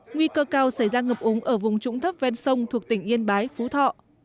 nguy cơ cao xảy ra ngập úng ở vùng trũng thấp ven sông thuộc tỉnh yên bái phú thọ